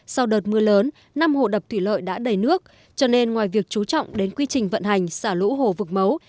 sau đợt mưa lớn năm hồ đập thủy lợi đã đầy nước cho nên ngoài việc chú trọng đến quy trình vận hành xả lũ hồ vực mấu